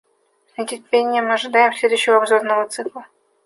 С нетерпением ожидаем следующего обзорного цикла.